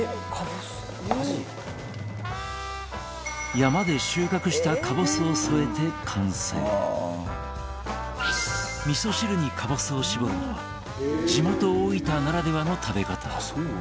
山で収穫したかぼすを添えて完成味噌汁にかぼすを搾るのは地元大分ならではの食べ方